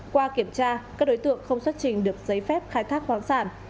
qua kiểm tra các đối tượng không xuất trình được giấy phép khai thác khoáng sản